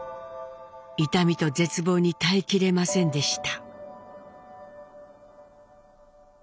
痛みと絶望に耐えきれませんでした。